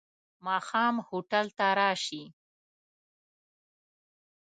ماښام هوټل ته راشې.